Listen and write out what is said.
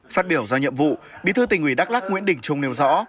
phát biểu do nhiệm vụ bí thư tỉnh ủy đắk lắc nguyễn đình trung nêu rõ